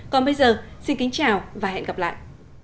còn bây giờ xin kính chào và hẹn gặp lại